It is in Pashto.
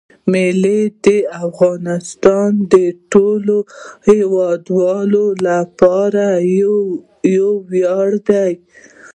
مېوې د افغانستان د ټولو هیوادوالو لپاره یو ویاړ دی.